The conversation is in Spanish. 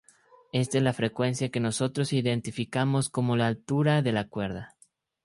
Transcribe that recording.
Esta es la frecuencia que nosotros identificamos como la altura de la cuerda.